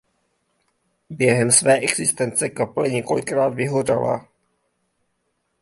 Během své existence kaple několikrát vyhořela.